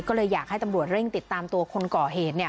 ก็เลยอยากให้ตำรวจเร่งติดตามตัวคนก่อเหตุเนี่ย